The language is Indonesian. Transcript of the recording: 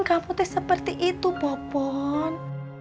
kamu teh seperti itu popon